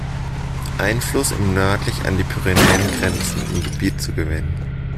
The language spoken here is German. Einfluss im nördlich an die Pyrenäen grenzenden Gebiet zu gewinnen.